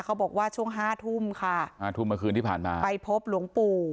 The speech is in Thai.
เขาบอกว่าช่วงห้าทุ่มค่ะห้าทุ่มเมื่อคืนที่ผ่านมาไปพบหลวงปู่